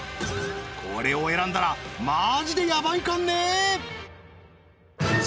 これを選んだらマジでやばいかんね